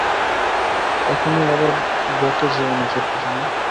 একে নিয়ে আবার বখে যেও না, ছোট্টসোনা!